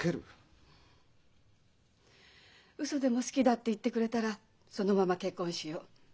ウソでも「好きだ」って言ってくれたらそのまま結婚しよう。